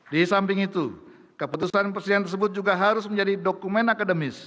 di samping itu keputusan presiden tersebut juga harus menjadi dokumen akademis